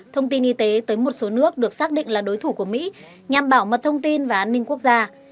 thông tin y tế tới một số nước được xác định là đối thủ của mỹ nhằm bảo mật thông tin và an ninh quốc gia